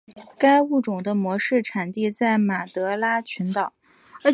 该物种的模式产地在马德拉群岛。